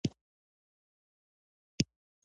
امنیت پانګونه راجذبوي